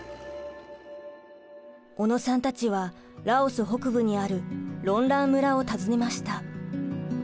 小野さんたちはラオス北部にあるロンラン村を訪ねました。